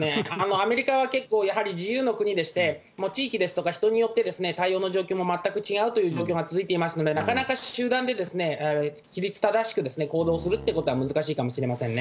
アメリカは結構、やはり自由の国でして、地域ですとか人によって、対応も状況も全く違うという状況が続いていますので、なかなか集団で規律正しく行動するってことは、難しいかもしれませんね。